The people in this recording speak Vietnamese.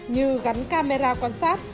như gắn camera quan sát